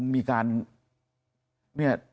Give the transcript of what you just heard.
มีการเนี่ย